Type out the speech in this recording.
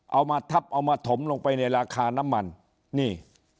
เอามาทับเอามาถมลงไปในราคาน้ำมันนี่